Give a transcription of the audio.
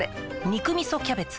「肉みそキャベツ」